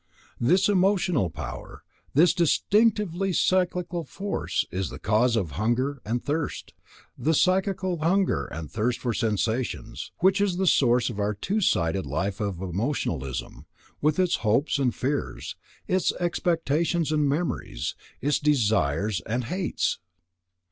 This emotional power, this distinctively psychical force, is the cause of "hunger and thirst," the psychical hunger and thirst for sensations, which is the source of our two sided life of emotionalism, with its hopes and fears, its expectations and memories, its desires and hates.